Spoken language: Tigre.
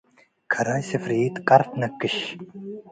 ከራይ ስፍሪት ቀር ትነክሽ።